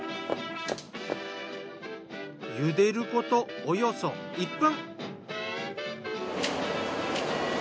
ゆでることおよそ１分。